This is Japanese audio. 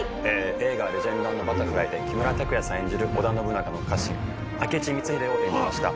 映画『レジェンド＆バタフライ』で木村拓哉さん演じる織田信長の家臣明智光秀を演じました。